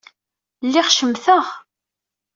Lliɣ cemteɣ.